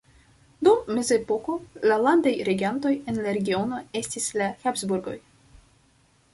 Dum mezepoko la landaj regantoj en la regiono estis la Habsburgoj.